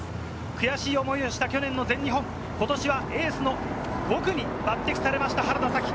悔しい思いをした去年の全日本、ことしはエースの５区に抜てきされました、原田紗希。